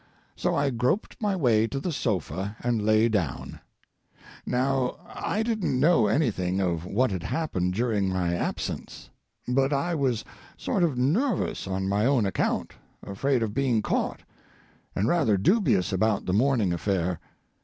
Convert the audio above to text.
So I groped my way to the sofa and lay down. Now, I didn't know anything of what had happened during my absence. But I was sort of nervous on my own account afraid of being caught, and rather dubious about the morning affair.